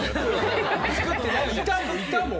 いたもん。